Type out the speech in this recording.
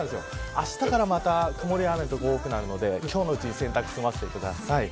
明日からまた曇りや雨が多くなるんで今日のうちに洗濯を済ませてください。